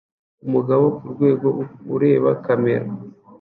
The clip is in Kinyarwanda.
Umugabo kurwego ureba kamera